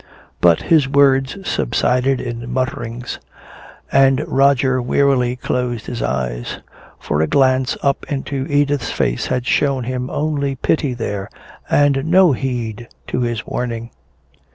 But his words subsided in mutterings, and Roger wearily closed his eyes. For a glance up into Edith's face had shown him only pity there and no heed to his warning.